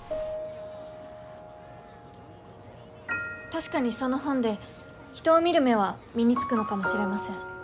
確かにその本で人を見る目は身につくのかもしれません。